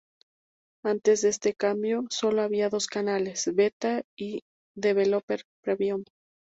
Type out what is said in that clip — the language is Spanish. Antes de este cambio solo había dos canales: Beta y Developer Preview.